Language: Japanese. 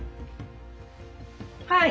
はい。